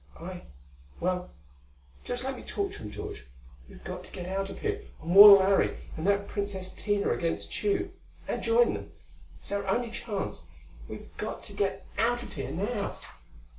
"I well, just let me talk to him. George, we've got to get out of here and warn Larry and that Princess Tina against Tugh. And join them. It's our only chance; we've got to get out of here now!"